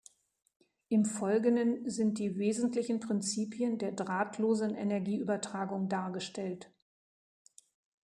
Im Folgenden sind die wesentlichen Prinzipien der drahtlosen Energieübertragung dargestellt.